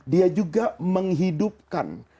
dia juga menghidupkan